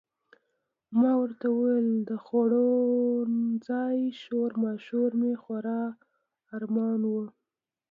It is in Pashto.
ما ورته وویل د خوړنځای شورماشور مې خورا ارمان و.